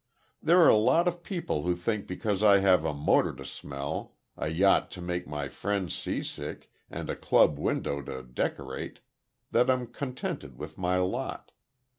There are a lot of people who think because I have a motor to smell, a yacht to make my friends seasick and a club window to decorate, that I'm contented with my lot.